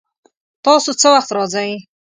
تاسو څه وخت راځئ؟